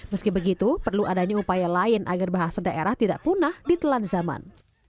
meski begitu perlu adanya upaya lain agar bahasa daerah tidak punah ditelan zaman